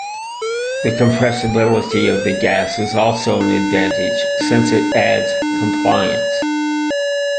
The compressibility of the gas is also an advantage since it adds compliance.